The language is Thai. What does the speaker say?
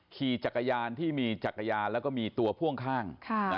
ขี่จักรยานที่มีจักรยานแล้วก็มีตัวพ่วงข้าง